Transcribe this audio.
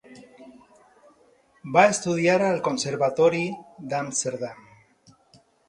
Va estudiar al Conservatori d'Amsterdam.